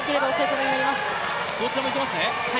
どちらもいけますね。